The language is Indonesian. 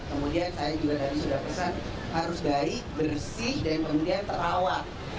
kemudian saya juga tadi sudah pesan harus baik bersih dan kemudian terawat